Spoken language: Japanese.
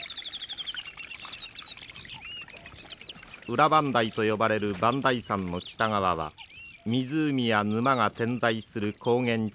裏磐梯と呼ばれる磐梯山の北側は湖や沼が点在する高原地帯です。